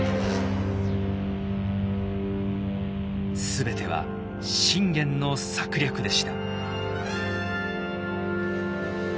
全ては信玄の策略でした。